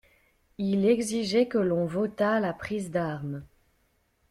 Il exigeait que l'on votât la prise d'armes.